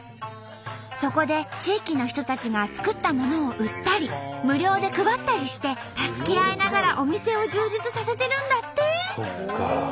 そこで地域の人たちが作ったものを売ったり無料で配ったりして助け合いながらお店を充実させてるんだって！